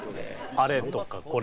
「あれ」とか「これ」とか。